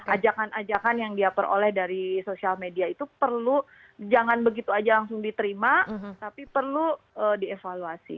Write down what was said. ajakan ajakan yang dia peroleh dari sosial media itu perlu jangan begitu aja langsung diterima tapi perlu dievaluasi